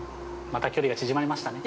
◆また距離が縮まりましたね。